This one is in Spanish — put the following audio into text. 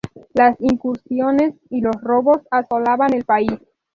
Las incursiones y los robos asolaban el país.